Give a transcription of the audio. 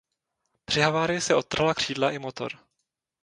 Při havárii se odtrhla křídla i motor.